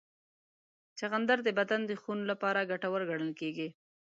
چغندر د بدن د خون لپاره ګټور ګڼل کېږي.